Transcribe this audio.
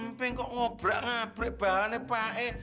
mau kempe kok ngobrak ngabrek bahannya pae